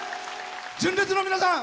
純烈の皆さん！